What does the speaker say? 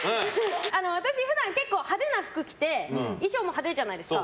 私、普段派手な服着て衣装も派手じゃないですか。